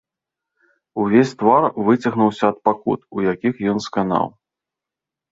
Увесь твар выцягнуўся ад пакут, у якіх ён сканаў.